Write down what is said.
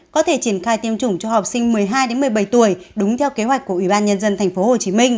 có thể triển khai tiêm chủng cho học sinh một mươi hai đến một mươi bảy tuổi đúng theo kế hoạch của ubnd tp hcm